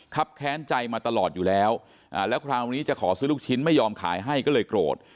แค้นใจมาตลอดอยู่แล้วแล้วคราวนี้จะขอซื้อลูกชิ้นไม่ยอมขายให้ก็เลยโกรธ